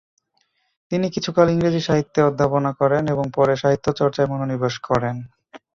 তিনি কিছুকাল ইংরেজি সাহিত্যে অধ্যাপনা করেন এবং পরে সাহিত্যচর্চায় মনোনিবেশ করেন।